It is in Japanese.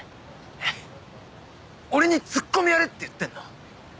えっ俺にツッコミやれって言ってんの？